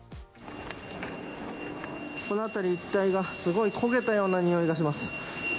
この辺り一帯が、すごい焦げたようなにおいがします。